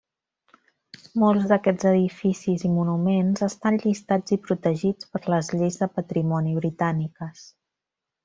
Molts d'aquests edificis i monuments estan llistats i protegits per les lleis de patrimoni britàniques.